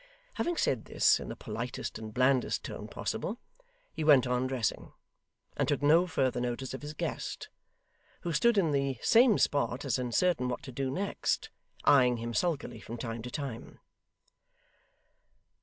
Having said this in the politest and blandest tone possible, he went on dressing, and took no further notice of his guest, who stood in the same spot as uncertain what to do next, eyeing him sulkily from time to time.